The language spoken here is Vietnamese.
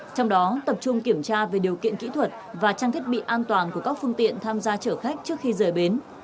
trong đó tập trung kiểm tra về điều kiện kỹ thuật và trang thiết bị an toàn của các phương tiện tham gia chở khách trước khi rời bến